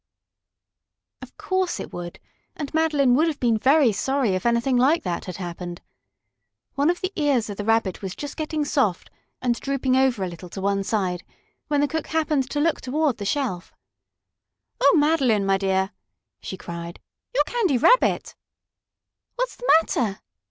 Of course it would, and Madeline would have been very sorry if anything like that had happened. One of the ears of the Rabbit was just getting soft and drooping over a little to one side, when the cook happened to look toward the shelf. "Oh, Madeline, my dear!" she cried. "Your Candy Rabbit!" "What's the matter?"